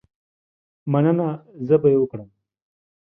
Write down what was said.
مننه، زه به یې وکړم.